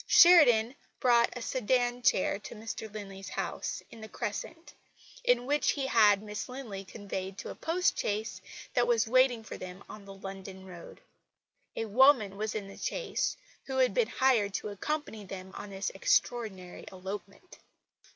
Sheridan brought a sedan chair to Mr Linley's house in the Crescent, in which he had Miss Linley conveyed to a post chaise that was waiting for them on the London road. A woman was in the chaise who had been hired to accompany them on this extraordinary elopement."